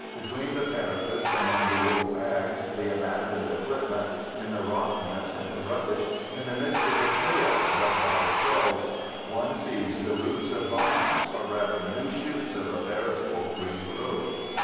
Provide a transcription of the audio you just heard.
Between the parapets, among the old bags, the abandoned equipment, in the rottenness and the rubbish, in the midst of the chaos dug by the shells, Digitized by THE GOOD SOLDIER" 37 one sees the roots of vines, or rather new shoots of a veritable green growth.